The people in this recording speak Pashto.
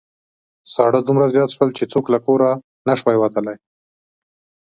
ساړه دومره زيات شول چې څوک له کوره نشوای تللای.